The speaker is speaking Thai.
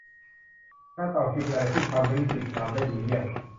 การต่อคิวเป็นอะไรที่ชาวบริติชทำได้ดีเยี่ยม